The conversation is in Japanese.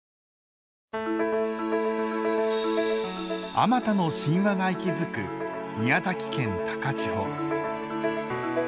あまたの神話が息づく宮崎県高千穂。